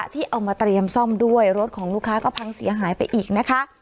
ที่เอามาเตรียมซ่อมด้วยรถของลูกค้าก็พังเสียหายไปอีกนะคะ